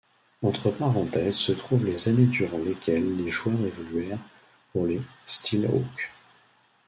Entre parenthèses se trouvent les années durant lesquelles les joueurs évoluèrent pour les Steelhawks.